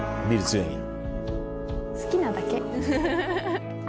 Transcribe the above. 好きなだけ。